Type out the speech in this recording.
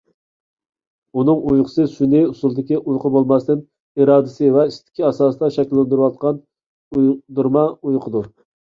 ئۇنىڭ ئۇيقۇسى سۈنئىي ئۇسۇلدىكى ئۇيقۇ بولماستىن، ئىرادىسى ۋە ئىستىكى ئاساسىدا شەكىللەندۈرۈۋالغان ئويدۇرما ئۇيقىدۇر.